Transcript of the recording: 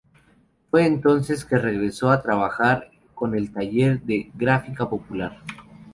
Fue entonces que regresó a trabajar con el Taller de Gráfica Popular.